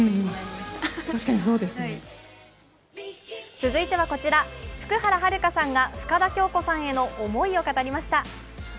続いてはこちら、福原遥さんが深田恭子さんへの思いを語りました。